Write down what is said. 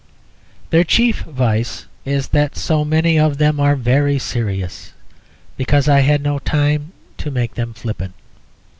Their chief vice is that so many of them are very serious; because I had no time to make them flippant.